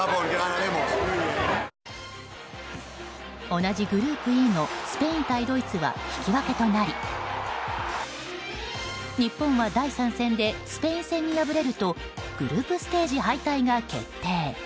同じグループＥのスペイン対ドイツは引き分けとなり日本は第３戦でスペイン戦に敗れるとグループステージ敗退が決定。